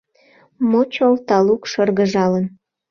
Мочол талук, шыргыжалын